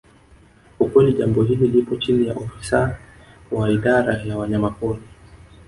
Ukweli jambo hili lipo chini ya ofisa wa idara ya wanyamapori